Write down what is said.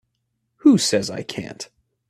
Who says I can't?